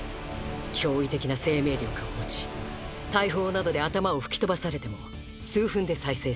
驚異的な生命力を持ち大砲などで頭を吹き飛ばされても数分で再生します。